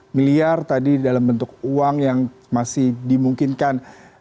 dua puluh miliar tadi dalam bentuk uang yang masih dimungkinkan